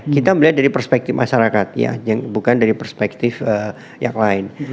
kita melihat dari perspektif masyarakat ya bukan dari perspektif yang lain